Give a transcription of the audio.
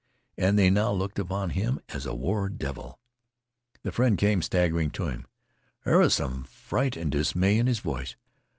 And they now looked upon him as a war devil. The friend came staggering to him. There was some fright and dismay in his voice.